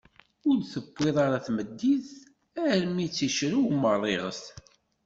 Ur d-tewwiḍ ara tmeddit armi i tt-cerweɣ merriɣet.